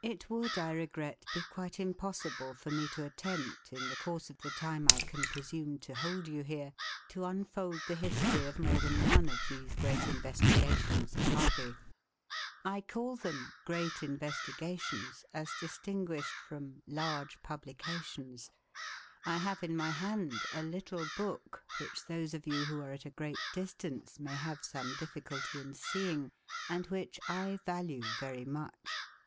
It would, I regret, be quite impossible for me to attempt, in the course of the time I can presume to hold you here, to unfold the history of more than one of these great investigations of Harvey. I call them "great investigations," as distinguished from "large publications." I have in my hand a little book, which those of you who are at a great distance may have some difficulty in seeing, and which I value very much.